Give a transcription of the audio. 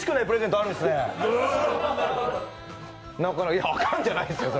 あかんじゃないですよ